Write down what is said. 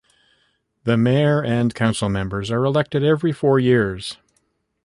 The mayor and council members are elected every four years.